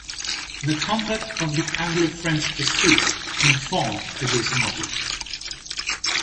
The conduct of the Anglo-French pursuit conformed to this model.